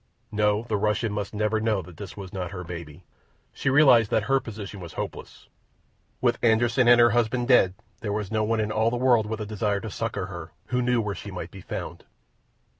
No, the Russian must never know that this was not her baby. She realized that her position was hopeless—with Anderssen and her husband dead there was no one in all the world with a desire to succour her who knew where she might be found.